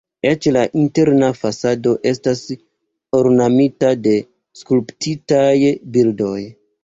Eĉ la interna fasado estas ornamita de skulptitaj bildoj.